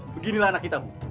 beginilah anak kita bu